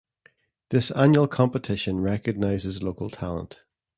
This annual competition recognizes local talent.